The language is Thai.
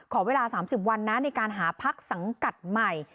ขอเวลา๓๐วันนะในการหาพักสังกัดใหม่